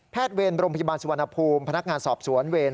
เวรโรงพยาบาลสุวรรณภูมิพนักงานสอบสวนเวร